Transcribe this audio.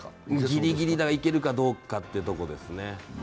ぎりぎりいけるかどうかというところですね。